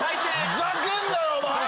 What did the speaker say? ふざけんなよお前！